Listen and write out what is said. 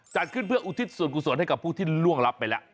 จัดขึ้นเพื่ออุทิศส่วนกุศลให้กับผู้ที่ล่วงรับไปแล้ว